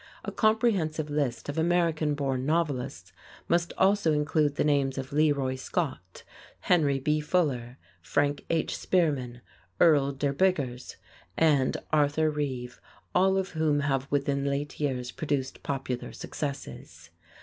A comprehensive list of American born novelists must also include the names of Leroy Scott, Henry B. Fuller, Frank H. Spearman, Earl Derr Biggers and Arthur Reeve, all of whom have within late years produced popular successes.